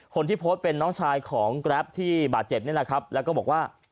คนที่โพสต์เป็นน้องชายของกราฟฟู้ดที่บาดเจ็บแล้วก็บอกว่า